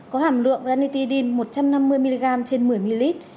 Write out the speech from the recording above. có hàm lượng granitydin một trăm năm mươi mg trên một mươi ml